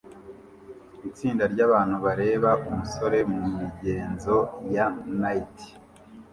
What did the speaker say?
Itsinda ryabantu bareba umusore mumigenzo ya knight